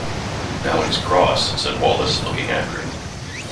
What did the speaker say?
"Now he's cross," said Wallace, looking after him.